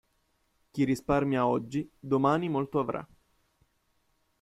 Chi risparmia oggi, domani molto avrà.